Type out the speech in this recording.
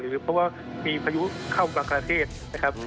หรือเพราะว่ามีพยุค์เข้าบรรคาเทศนะครับ